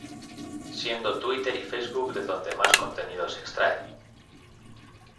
Siendo Twitter y Facebook de donde más contenido se extrae.